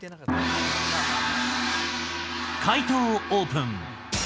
解答をオープン。